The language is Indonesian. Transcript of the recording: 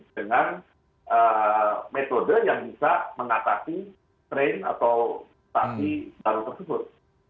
dengan metode yang bisa mengatasi strain atau stasi daru tersebut